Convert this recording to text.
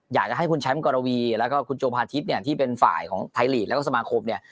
อยากจะให้คุณแชมป์กรวีแล้วก็คุณโจพาทิศเนี่ยที่เป็นฝ่ายของไทยลีกแล้วก็สมาคมเนี่ย